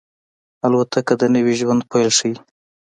الوتکه د نوي ژوند پیل ښيي.